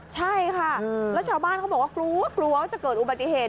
ใช่ค่ะแล้วชาวบ้านเขาบอกว่ากลัวกลัวว่าจะเกิดอุบัติเหตุ